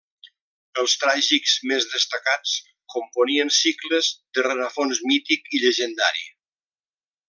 Els tràgics més destacats componien cicles de rerefons mític i llegendari: